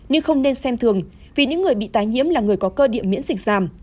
nhưng không nên xem thường vì những người bị tái nhiễm là người có cơ địa miễn dịch giảm